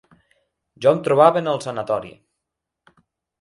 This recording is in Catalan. Jo em trobava en el Sanatori